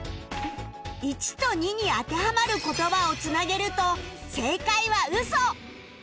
１と２に当てはまる言葉を繋げると正解は「うそ」